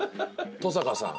登坂さん